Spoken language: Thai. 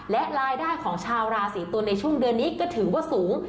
และรายได้ของชาวราศีตุลในช่วงเดือนนี้ก็ถือว่าสูง